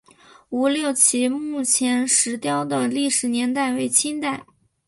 吴六奇墓前石雕的历史年代为清代。